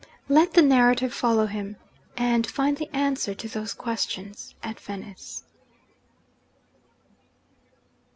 Let the narrative follow him and find the answer to those questions at Venice.